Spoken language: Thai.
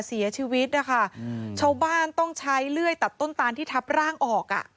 เสียชีวิตนะคะชาวบ้านต้องใช้เลื่อยตัดต้นตานที่ทับร่างออกอ่ะ